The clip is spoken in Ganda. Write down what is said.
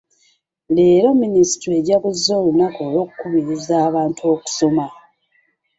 Leero minisitule ejaguza olunaku olw'okukubiriza abantu okusoma.